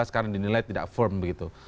karena dinilai tidak firm begitu